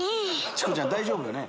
チコちゃん大丈夫よね？